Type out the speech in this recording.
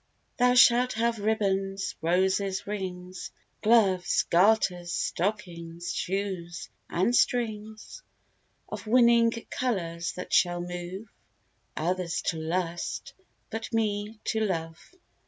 Thou shalt have ribbands, roses, rings, Gloves, garters, stockings, shoes, and strings Of winning colours, that shall move Others to lust, but me to love.